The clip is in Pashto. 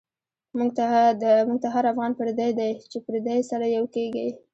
مونږ ته هر افغان پردۍ دۍ، چی پردی سره یو کیږی